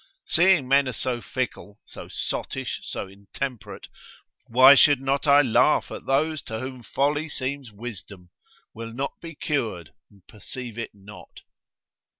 Seeing men are so fickle, so sottish, so intemperate, why should not I laugh at those to whom folly seems wisdom, will not be cured, and perceive it not?